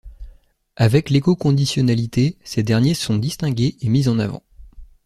Avec l’éco-conditionnalité, ces derniers sont distingués et mis en avant.